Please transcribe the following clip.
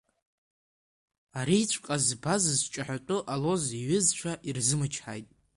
Ариҵәҟьа збаз зҿаҳәатәы ҟалоз иҩызцәа ирзымычҳаит.